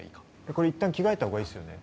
これいったん着替えた方がいいですよね？